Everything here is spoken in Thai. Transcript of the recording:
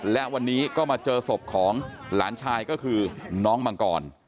และวันนี้ก็มาเจอศพของหลานชายก็คือน้องมังกร